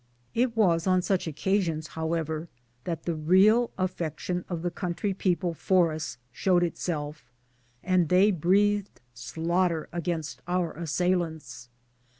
It was on such occasions 1 64 MY DAYS AND DREAMS however that the real affection of the country people for us showed itself, and they breathed slaughter against our assailants.